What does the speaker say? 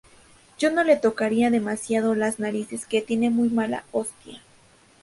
Yo no le tocaría demasiado las narices que tiene muy mala hostia